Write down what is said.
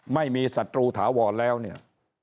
ไม่มีสัตว์ตรูถาวรแล้วเนี่ย